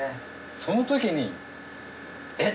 そのときに「えっ！」